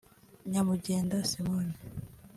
Nyamugenda Simon